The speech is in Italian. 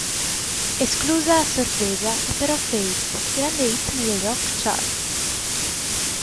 Esclusa a sorpresa è però "Fade", grande hit nelle rock-charts.